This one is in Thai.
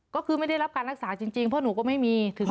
ก็คือไม่ได้รับการรักษาจริงเพราะหนูก็ไม่มี